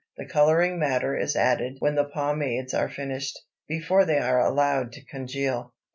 The coloring matter is added when the pomades are finished, before they are allowed to congeal.